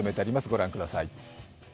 ご覧ください。